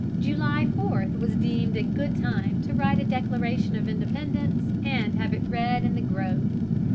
July 4 was deemed a good time to write a Declaration of Independence and have it read in the grove.